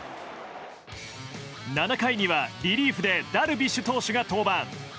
７回にはリリーフでダルビッシュ投手が登板。